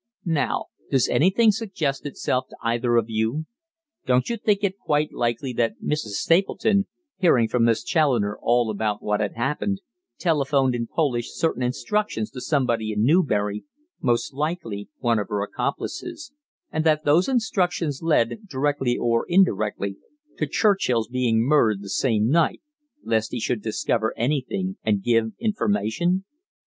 Now, does anything suggest itself to either of you? Don't you think it quite likely that Mrs. Stapleton, hearing from Miss Challoner all about what had happened, telephoned in Polish certain instructions to somebody in Newbury, most likely one of her accomplices, and that those instructions led, directly or indirectly, to Churchill's being murdered the same night, lest he should discover anything and give information?